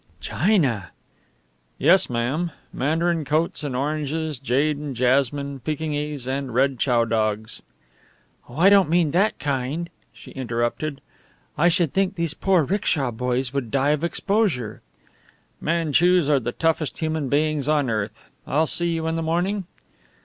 "China!" "Yes, ma'am. Mandarin coats and oranges, jade and jasmine, Pekingese and red chow dogs." "Oh, I don't mean that kind!" she interrupted. "I should think these poor 'ricksha boys would die of exposure." "Manchus are the toughest human beings on earth. I'll see you in the morning?"